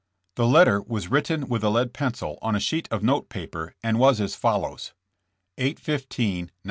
The letter was written with a lead pencil on a sheet of note paper and was as follows : 8:15, '98.